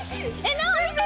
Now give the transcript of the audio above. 奈央見て！